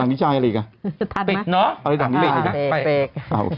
ดังนิยายอะไรอีก